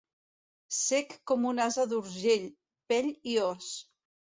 Sec com un ase d'Urgell, pell i os.